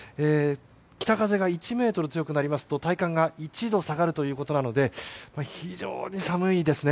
北風が１メートル強くなりますと体感が１度下がるということなので非常に寒いですね。